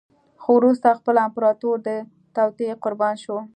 خو وروسته خپله امپراتور د توطیې قربان شو.